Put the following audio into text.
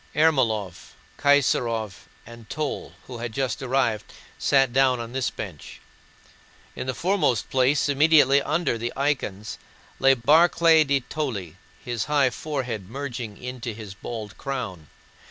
Ermólov, Kaysárov, and Toll, who had just arrived, sat down on this bench. In the foremost place, immediately under the icons, sat Barclay de Tolly, his high forehead merging into his bald crown.